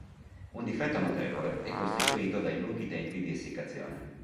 Un difetto notevole è costituito dai lunghi tempi di essiccazione.